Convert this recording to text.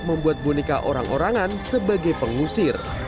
membuat boneka orang orangan sebagai pengusir